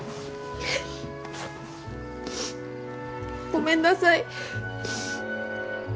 ごめんなさい。